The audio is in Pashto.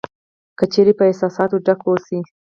که چېرې په احساساتو ډک اوسې .